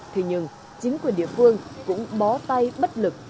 thế nhưng chính quyền địa phương cũng bó tay bất lực